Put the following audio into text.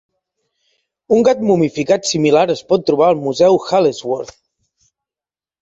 Un gat momificat similar es pot trobar al Museu Halesworth.